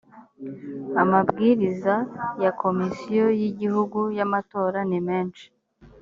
amabwiriza ya komisiyo y’igihugu y’amatora ni menshi